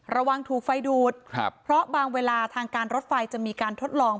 ระวังถูกไฟดูดครับเพราะบางเวลาทางการรถไฟจะมีการทดลอง